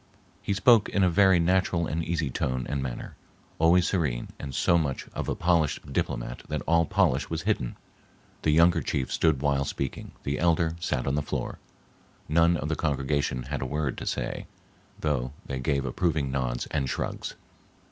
He spoke in a very natural and easy tone and manner always serene and so much of a polished diplomat that all polish was hidden. The younger chief stood while speaking, the elder sat on the floor. None of the congregation had a word to say, though they gave approving nods and shrugs.